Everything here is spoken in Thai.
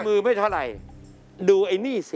มือไม่เท่าไหร่ดูไอ้นี่สิ